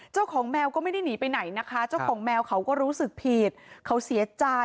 เจ้าของแมวก็ไม่ได้หนีไปไหนนะคะ